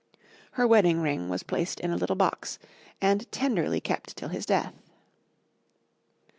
Her wedding ring was placed in a little box, and tenderly kept till his death.